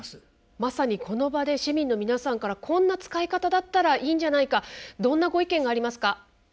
まさにこの場で市民の皆さんからこんな使い方だったらいいんじゃないかどんなご意見がありますか。